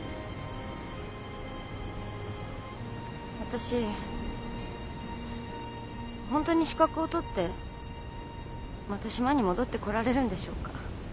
わたしホントに資格を取ってまた島に戻ってこられるんでしょうか？